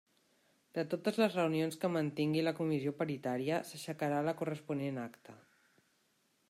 De totes les reunions que mantingui la Comissió paritària, s'aixecarà la corresponent acta.